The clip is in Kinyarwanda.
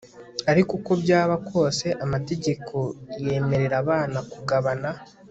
ariko uko byaba kose amategeko yemerera abana kugabana